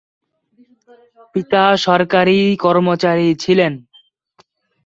পিতা সরকারি কর্মচারী ছিলেন।